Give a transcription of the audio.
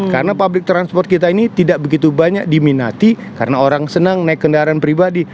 karena public transport kita ini tidak begitu banyak diminati karena orang senang naik kendaraan pribadi